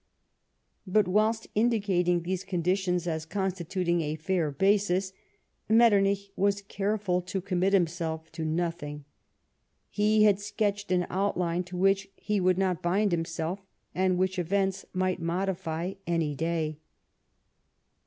But, whilst indicating these conditions as constituting a fair basis, Metternich was careful to commit himself to nothing. He had sketched an outline to which he would not bind him self, and which events might modify any day.